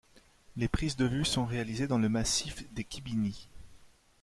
Les prises de vue sont réalisées dans le Massif des Khibiny.